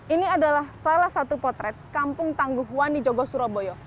ini adalah salah satu potret kampung tangguh wani jogo surabaya